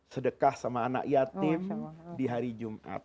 sedekah sama anak yatim di hari jumat